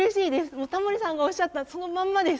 もうタモリさんがおっしゃったそのまんまです